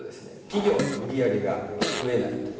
企業の売り上げが増えないと。